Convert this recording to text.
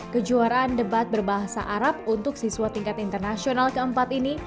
kejuaraan debat berbahasa arab untuk siswa tingkat internasional keempat ini